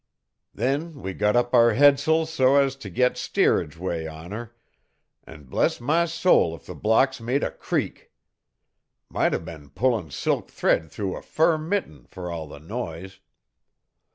Then we got up our headsails so as to get steerage way on her, and bless my soul if the blocks made a creak! Might have been pullin' silk thread through a fur mitten, for all the noise.